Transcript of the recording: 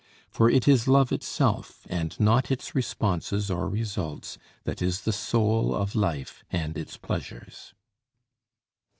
For it is love itself and not its responses or results that is the soul of life and its pleasures.